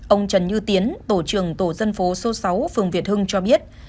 ông trần như tiến tổ trưởng tổ dân phố số sáu phường việt hưng cho biết